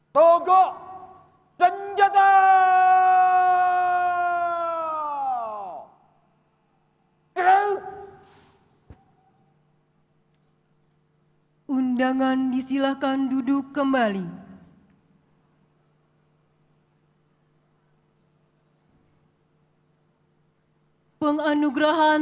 tanda kebesaran tutup hormat tenjata